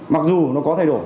mặc dù nó có thay đổi